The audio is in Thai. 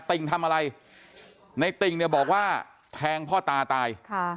ติ่งทำอะไรในติ่งเนี่ยบอกว่าแทงพ่อตาตาย